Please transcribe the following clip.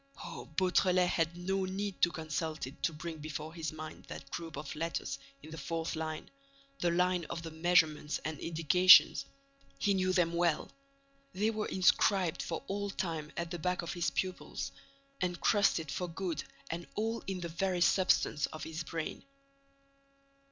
Oh, Beautrelet had no need to consult it to bring before his mind that group of letters in the fourth line, the line of the measurements and indications! He knew them well! They were inscribed for all time at the back of his pupils, encrusted for good and all in the very substance of his brain!